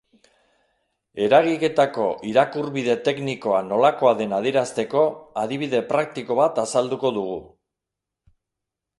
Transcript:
Eragiketako irakurbide teknikoa nolakoa den adierazteko, adibide praktiko bat azalduko dugu.